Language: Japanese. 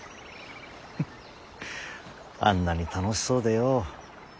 フッあんなに楽しそうでよ。